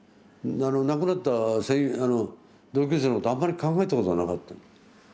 亡くなった同級生のことあんまり考えたことがなかったの。